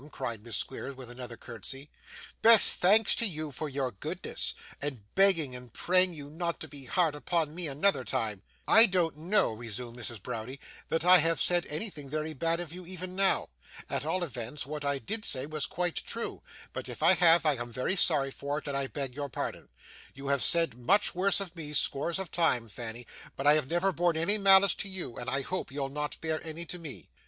cried Miss Squeers, with another curtsy. 'Best thanks to you for your goodness, and begging and praying you not to be hard upon me another time!' 'I don't know,' resumed Mrs. Browdie, 'that I have said anything very bad of you, even now. At all events, what I did say was quite true; but if I have, I am very sorry for it, and I beg your pardon. You have said much worse of me, scores of times, Fanny; but I have never borne any malice to you, and I hope you'll not bear any to me.